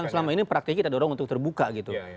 yang selama ini praktiknya kita dorong untuk terbuka gitu